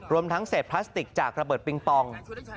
รวมทั้งเศษพลาสติกจากระเบิดปิงปอง